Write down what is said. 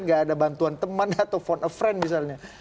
tidak ada bantuan teman atau phone a friend misalnya